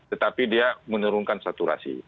tetapi dia menurunkan saturasi